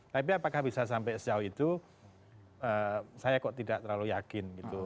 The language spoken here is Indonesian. tapi apakah bisa sampai sejauh itu saya kok tidak terlalu yakin gitu